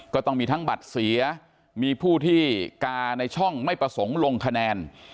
ก็ต้องมีทั้งบัตรเสียมีผู้ที่กาในช่องไม่ประสงค์ลงคะแนน